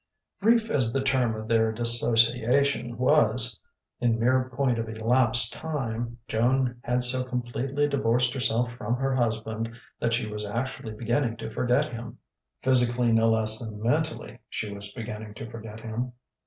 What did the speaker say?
Brief as the term of their dissociation was, in mere point of elapsed time, Joan had so completely divorced herself from her husband that she was actually beginning to forget him; physically no less than mentally she was beginning to forget him.